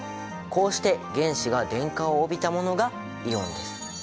こうして原子が電荷を帯びたものがイオンです。